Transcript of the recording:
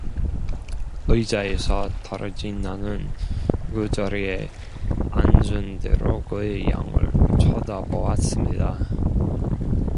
의자에서 떨어진 나는, 그 자리에 앉은 대로 그의 양을 쳐다보았습니다.